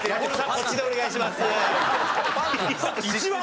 こっちでお願いします。